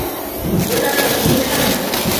وَلا صَديقٍ حَميمٍ